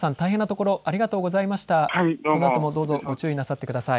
このあともどうぞ、ご注意なさってください。